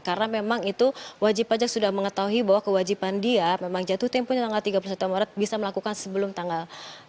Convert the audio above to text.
karena memang itu wajib pajak sudah mengetahui bahwa kewajipan dia memang jatuh tempohnya tanggal tiga puluh satu maret bisa melakukan sebelum tanggal tiga puluh satu